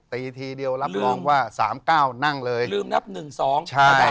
ทีเดียวรับรองว่าสามเก้านั่งเลยลืมนับหนึ่งสองใช่